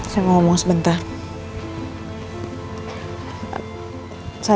pernah tapi bisa